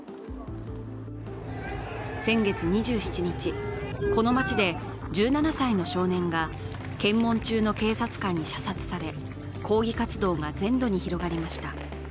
先月２７日、この町で１７歳の少年が検問中の警察官に射殺され、抗議活動が全土に広がりました。